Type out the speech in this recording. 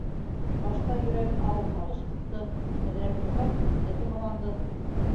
Башта йөрәген ауыр һағыш ҡыҫты, әҙерәк торғас, зиһене томаланды.